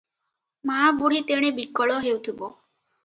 ମାଆ ବୁଢ଼ୀ ତେଣେ ବିକଳ ହେଉଥିବ ।